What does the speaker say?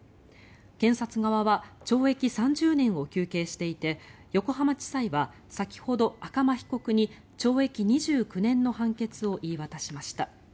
検察側は懲役３０年を求刑していて横浜地裁は先ほど赤間被告に懲役２９年の判決を言い渡しました。